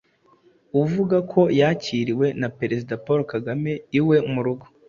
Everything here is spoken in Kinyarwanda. uvuga ko yakiriwe na Perezida Paul Kagame iwe mu rugo,